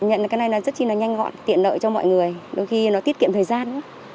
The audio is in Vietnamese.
nhận cái này rất chi nó nhanh gọn tiện lợi cho mọi người đôi khi nó tiết kiệm thời gian